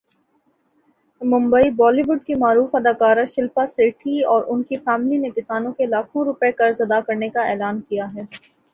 Mumbai Bollywood کی معروف اداکارہ شلپا شیٹھی اور اُن کی فیملی نے کسانوں کے لاکھوں روپے قرض ادا کرنے کا اعلان کیا ہے